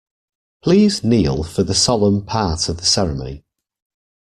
Please kneel for the solemn part of the ceremony.